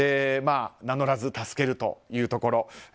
名乗らず助けるというところ。